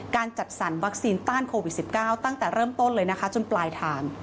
จัดสรรวัคซีนต้านโควิด๑๙ตั้งแต่เริ่มต้นเลยนะคะจนปลายทาง